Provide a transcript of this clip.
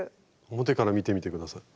表から見てみて下さい。